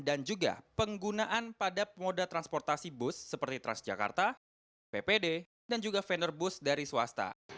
dan juga penggunaan pada moda transportasi bus seperti transjakarta ppd dan juga vendor bus dari swasta